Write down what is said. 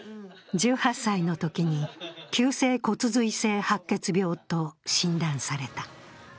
１８歳のときに急性骨髄性白血病と診断された。